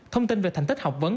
thông tin về thành tích học vấn